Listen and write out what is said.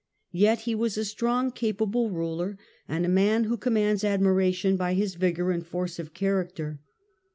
Yet he was a strong, capable ruler, and a man who commands ad miration by his vigour and force of character.